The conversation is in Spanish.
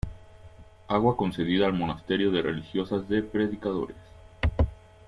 Agua concedida al monasterio de religiosas de predicadores.